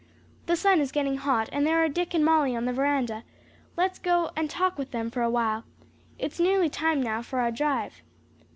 The sun is getting hot and there are Dick and Molly on the veranda; let's go and talk with them for a while. It's nearly time now for our drive."